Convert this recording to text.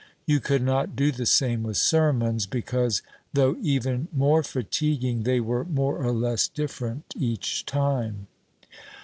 You could not do the same with sermons, because, though even more fatiguing, they were more or less different each time.